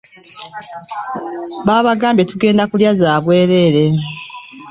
Babagambye tugenda kulya za bwereere?